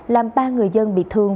làm ba người dân bị thương